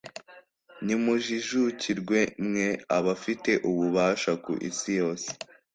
nimujijukirwe, mwe abafite ububasha ku isi yose!